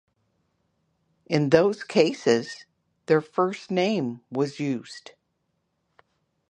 In those cases, their first name was used.